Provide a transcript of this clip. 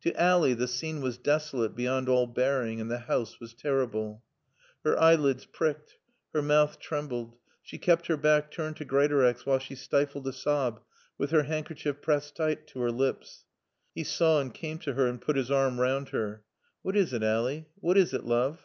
To Ally the scene was desolate beyond all bearing and the house was terrible. Her eyelids pricked. Her mouth trembled. She kept her back turned to Greatorex while she stifled a sob with her handkerchief pressed tight to her lips. He saw and came to her and put his arm round her. "What is it, Ally? What is it, loove?"